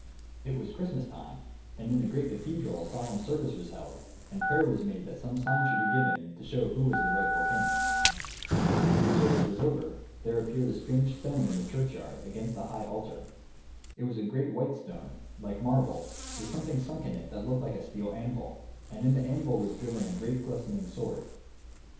It was Christmas time, and in the great cathedral a solemn service was held, and prayer was made that some sign should be given, to show who was the rightful king. When the service was over, there appeared a strange stone in the churchyard, against the high altar. It was a great white stone, like marble, with something sunk in it that looked like a steel anvil; and in the anvil was driven a great glistening sword.